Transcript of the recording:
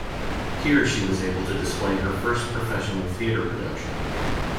Here she was able to display her first professional theatre production.